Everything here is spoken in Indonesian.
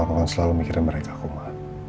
gak perlu selalu mikirin mereka kumo